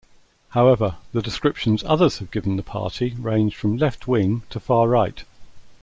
However, the descriptions others have given the party range from left-wing to far-right.